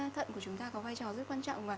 thận của chúng ta có vai trò rất quan trọng và